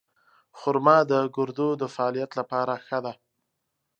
خرما د ګردو د فعالیت لپاره ښه ده.